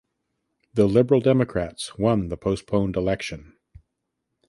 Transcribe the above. The Liberal Democrats won the postponed election.